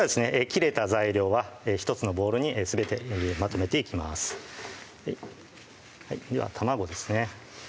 切れた材料は１つのボウルにすべてまとめていきますでは卵ですね